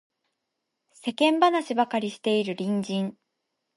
世間話ばかりしている隣人